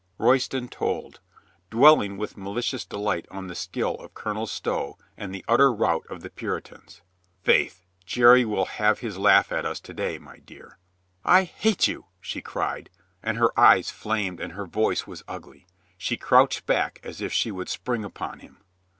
Royston told ; dwelling with malicious delight on the skill of Colonel Stow and the utter rout of the Puritans. "Faith, Jerry will have his laugh at us to day, my dear." "I hate you," she cried, and her eyes flamed and her voice was ugly. She crouched back as if she would spring upon him.